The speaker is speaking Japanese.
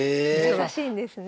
優しいんですね。